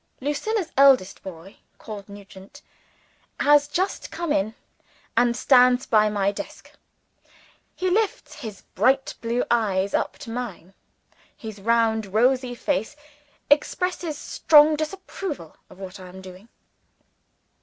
Lucilla's eldest boy called Nugent has just come in, and stands by my desk. He lifts his bright blue eyes up to mine; his round rosy face expresses strong disapproval of what I am doing.